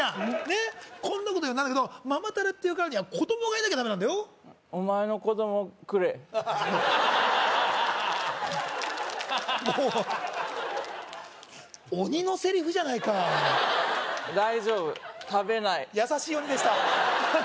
ねっこんなこと言うのは何だけどママタレっていうからには子供がいなきゃダメなんだよお前の子供くれもう鬼のセリフじゃないか大丈夫食べない優しい鬼でした